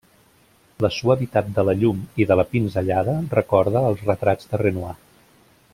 La suavitat de la llum i de la pinzellada recorda els retrats de Renoir.